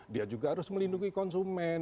dia juga harus melindungi konsumen